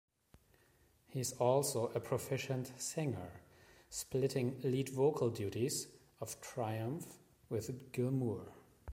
He's also a proficient singer, splitting lead vocal duties of Triumph with Gil Moore.